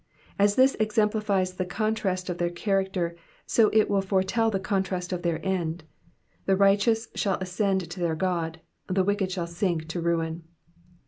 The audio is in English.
As this exemplifies the contrast of their character, so it will foretell the contrast of their end— the righteous shall ascend to their God, the wicked shall sink to ruin.